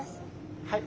はい。